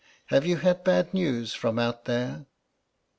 Have you had bad news from out there?"